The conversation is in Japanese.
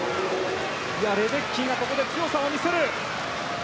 レデッキーがここで強さを見せる。